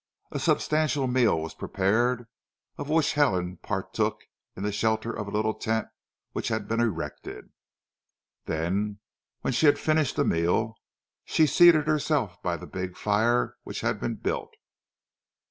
A substantial meal was prepared of which Helen partook in the shelter of a little tent which had been erected; then when she had finished the meal, she seated herself by the big fire which had been built.